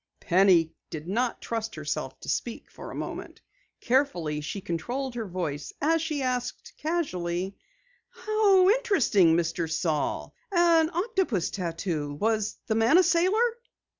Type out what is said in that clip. Penny did not trust herself to speak for a moment. Carefully she controlled her voice as she said casually: "How interesting, Mr. Saal, An octopus tattoo! Was the man a sailor?"